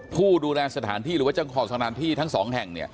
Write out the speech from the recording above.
ผู้ดูแลสถานที่หรือว่าเจ้าของสถานที่ทั้งสองแห่ง